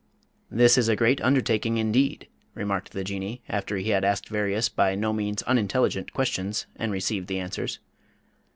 "This is a great undertaking indeed," remarked the Jinnee, after he had asked various by no means unintelligent questions and received the answers.